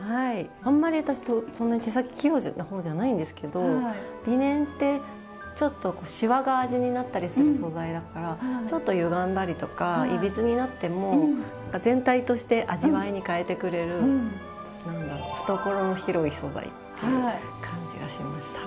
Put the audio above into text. あんまり私そんなに手先器用な方じゃないんですけどリネンってちょっとシワが味になったりする素材だからちょっとゆがんだりとかいびつになっても全体として味わいに変えてくれる何だろう懐の広い素材っていう感じがしました。